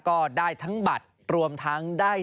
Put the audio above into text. ก็ได้ทั้งบัด